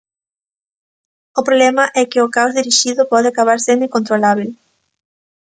O problema é que o caos dirixido pode acabar sendo incontrolábel.